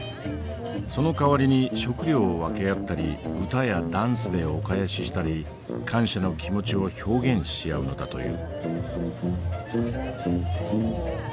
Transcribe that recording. その代わりに食料を分け合ったり歌やダンスでお返ししたり感謝の気持ちを表現し合うのだという。